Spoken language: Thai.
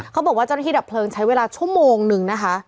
เขาบอกว่าจหนที่ดับเพลิงใช้เวลาชั่วโมงหนึ่งนะคะ